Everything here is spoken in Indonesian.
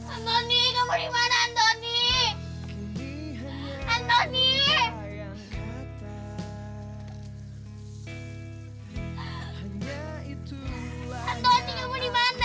andoni kamu dimana